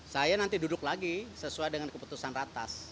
saya nanti duduk lagi sesuai dengan keputusan ratas